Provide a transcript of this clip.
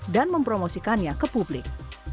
dan mempromosikannya ke publik